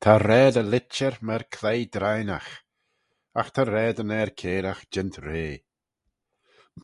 Ta raad y litcher myr cleiy drineagh: agh ta raad yn er-cairagh jeant rea.